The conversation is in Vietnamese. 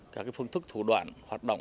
các phương thức thủ đoạn hoạt động